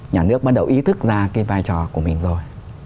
nhà nước bắt đầu ý thức ra cái vai trò của mình rồi